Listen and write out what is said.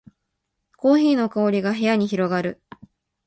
コーヒーの香りが部屋に広がる